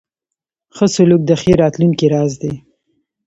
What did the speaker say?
ښه سلوک د ښې راتلونکې راز دی.